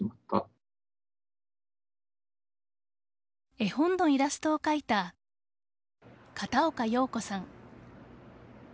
絵本のイラストを描いた片岡洋子さん。